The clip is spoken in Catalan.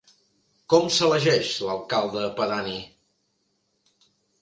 Com s'elegeix l'alcalde pedani?